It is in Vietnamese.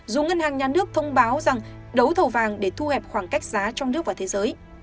dù ngân hàng nhà nước thông báo rằng đấu thầu vàng để thu hẹp khoảng cách giá trong nước và thế giới